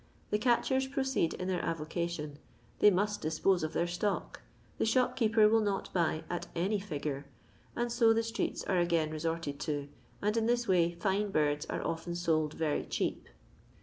The catchera proceed in their avocation; they must dispose of their stock ; the shopkeeper will not buy " at any figure," and so the streets are again resorted to, and in this way fine birds are often sold very cheap.